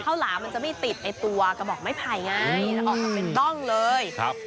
ข้าวหลามมันจะไม่ติดไอ้ตัวก็บอกไม่ภายง่ายออกมาเป็นต้องเลยครับ